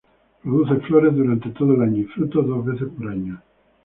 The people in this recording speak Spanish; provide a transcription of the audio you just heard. Produce flores durante todo el año y frutos dos veces por año.